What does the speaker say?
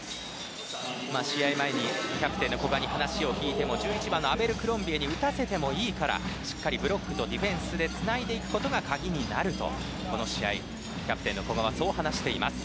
試合前にキャプテンの古賀に話を聞いても１１番のアベルクロンビエに打たせてもいいからブロックとディフェンスでつないでいくことが鍵になるとこの試合、キャプテンの古賀はそう話しています。